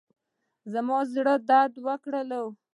زړه مې درد وکړ.